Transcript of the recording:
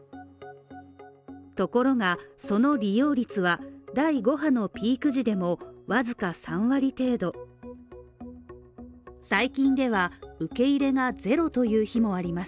ところが、その利用率は第５波のピーク時でもわずか３割程度最近では受け入れがゼロという日もあります。